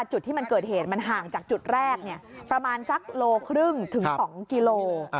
จุดที่มันเกิดเหตุมันห่างจากจุดแรกประมาณสักโลครึ่งถึง๒กิโล